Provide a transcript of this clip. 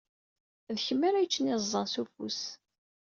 D kemm ara yeččen iẓẓan s ufus.